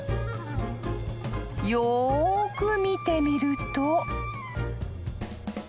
［よく見てみると］